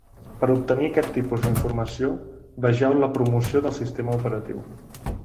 Per obtenir aquest tipus d'informació, vegeu la promoció del sistema operatiu.